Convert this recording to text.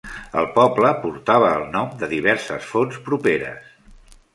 El poble portava el nom de diverses fonts properes.